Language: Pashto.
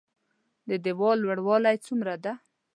د ديوال لوړوالی څومره ده؟